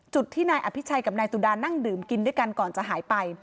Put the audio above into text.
จุดที่นายอภิชัยกับนายสุดานั่งดื่มกินด้วยกันก่อนจะหายไป